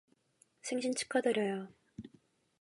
생신 축하드려요!